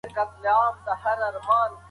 وارث غولکه له کوټې راواخیسته.